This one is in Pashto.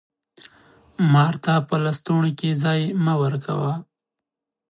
مار ته په لستوڼي کي ځای مه ورکوه!